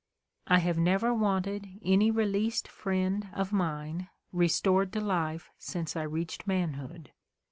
I have never wanted any released friend of mine restored to life since I reached manhood.